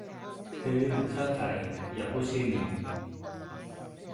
ฮือเศร้าใจ อย่าพูดชื่อนี้